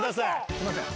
すいません。